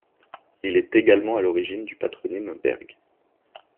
Il est également à l'origine du patronyme Berg.